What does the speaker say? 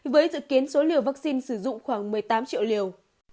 với dự kiến số liều vaccine sử dụng khoảng một mươi tám triệu liều